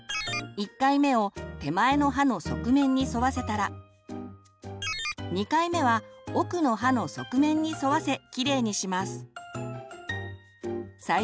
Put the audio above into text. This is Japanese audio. １回目を手前の歯の側面に沿わせたら２回目は奥の歯の側面に沿わせきれいにします。